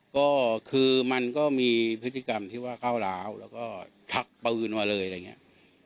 ก็คือมันก็มีพฤติกรรมที่ว่าก้าวร้าวแล้วก็ชักปืนมาเลยอะไรอย่างนี้